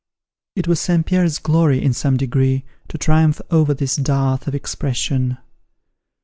It was St. Pierre's glory, in some degree, to triumph over this dearth of expression.